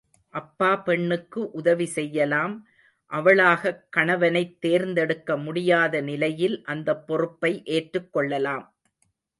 அப்பா பெண்ணுக்கு உதவி செய்யலாம் அவளாகக் கணவனைத் தேர்ந்தெடுக்க முடியாத நிலையில் அந்தப் பொறுப்பை ஏற்றுக்கொள்ளலாம்.